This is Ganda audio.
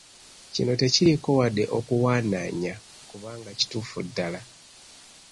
Kino tekiriiko wadde okuwanaanya kubanga kituufu ddala.